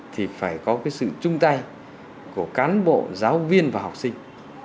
thì phải có cái sự chung tay của cán bộ giáo viên và học sinh